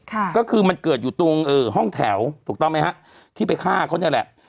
ค่ะก็คือมันเกิดอยู่ตรงเอ่อห้องแถวถูกต้องไหมฮะที่ไปฆ่าเขาเนี่ยแหละ